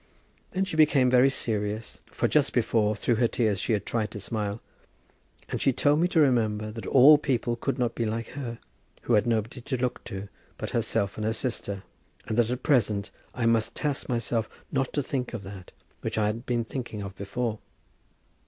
Then she became very serious, for just before, through her tears, she had tried to smile, and she told me to remember that all people could not be like her, who had nobody to look to but herself and her sister; and that at present I must task myself not to think of that which I had been thinking of before.